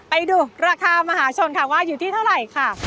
ไปดูราคามหาชนค่ะว่าอยู่ที่เท่าไหร่ค่ะ